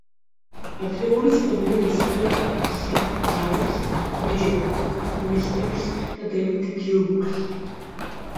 ადრეული წლებიდან იცნობდა სიდ ბარეტს, როჯერ უოტერსს და დევიდ გილმორს.